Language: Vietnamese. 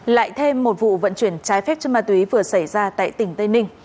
lại thêm một vụ vận chuyển trái phép cho ma túy vừa xảy ra tại tỉnh tây ninh